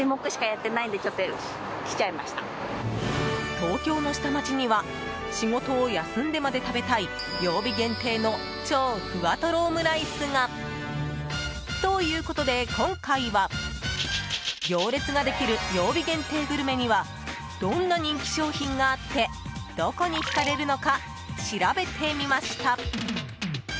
東京の下町には仕事を休んでまで食べたい曜日限定の超ふわとろオムライスが。ということで、今回は行列ができる曜日限定グルメにはどんな人気商品があってどこに引かれるのか調べてみました。